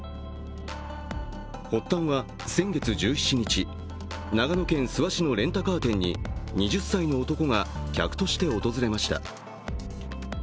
発端は先月１７日、長野県諏訪市のレンタカー店に２０歳の男が客として訪れました。